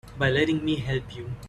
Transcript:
By letting me help you.